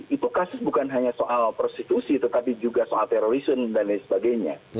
itu kasus bukan hanya soal prostitusi tetapi juga soal terorisme dan lain sebagainya